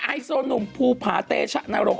ไอโซนุมภูภาเตชะนารงค์